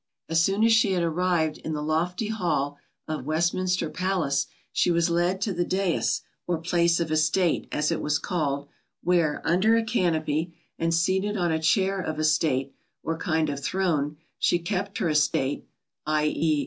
As soon as she had arrived in the lofty hall of Westminster Palace she was led to the dais, or place of estate, as it was called, where, under a canopy, and seated on a chair of estate, or kind of throne, she kept her estate, _i. e.